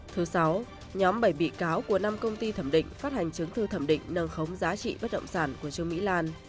thứ sáu nhóm bảy bị cáo của năm công ty thẩm định phát hành chứng thư thẩm định nâng khống giá trị bất động sản của trương mỹ lan